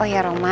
baik ya roman